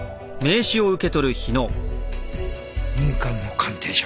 民間の鑑定所。